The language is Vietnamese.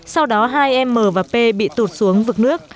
sau đó hai m và p bị tụt xuống vực nước